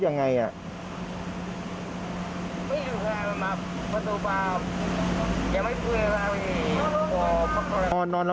สถานการณ์ของฝีประเทศนะครับเขา